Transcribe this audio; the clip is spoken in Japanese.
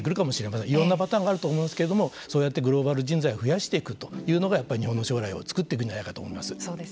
いろんなパターンがあると思いますけれどもそうやってグローバル人材を増やしていくというのがやっぱり日本の将来を作っていくんじゃないかと思います。